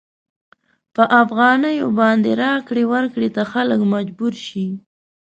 په افغانیو باندې راکړې ورکړې ته خلک مجبور شي.